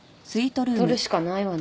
撮るしかないわね。